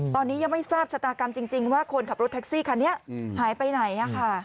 ตอนนี้ยังไม่ทราบชะตากรรมจริงว่าคนขับรถแท็กซี่คันนี้หายไปไหน